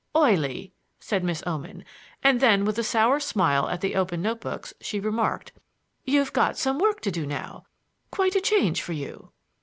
"Oily," said Miss Oman. And then with a sour smile at the open notebooks, she remarked: "You've got some work to do now; quite a change for you."